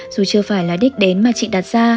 dù chưa phải là đích đến mà chị đặt ra